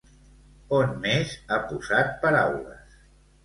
On més ha posat paraules?